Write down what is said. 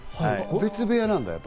個別部屋なんだ。